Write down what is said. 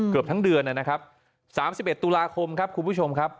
เกือบทั้งเดือนนะครับ๓๑ตุลาคมครับคุณผู้ชมครับ